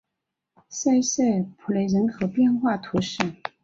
塞舍普雷人口变化图示